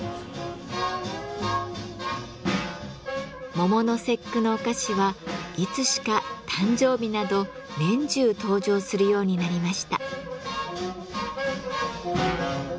桃の節句のお菓子はいつしか誕生日など年中登場するようになりました。